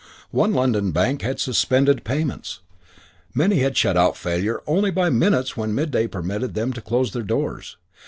One London bank had suspended payment. Many had shut out failure only by minutes when midday permitted them to close their doors.